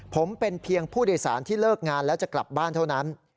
ผมเป็นเพียงผู้โดยสารที่เลิกงานแล้วจะกลับบ้านเท่านั้น